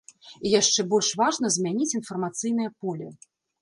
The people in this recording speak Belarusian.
І яшчэ больш важна змяніць інфармацыйнае поле.